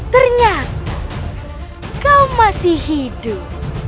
ternyata kau masih hidup